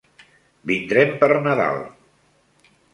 Vindrem per Nadal.